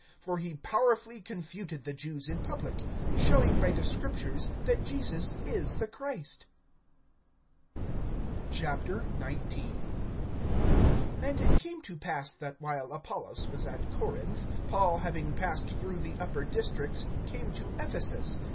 (28)For he powerfully confuted the Jews in public, showing by the Scriptures that Jesus is the Christ. XIX. AND it came to pass, that, while Apollos was at Corinth, Paul having passed through the upper districts came to Ephesus.